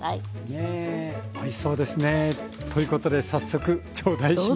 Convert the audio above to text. ねえおいしそうですね。ということで早速頂戴します。